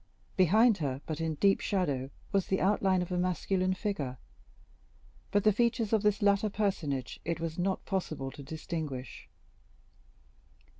Behind her, but in deep shadow, was the outline of a masculine figure; but the features of this latter personage it was not possible to distinguish.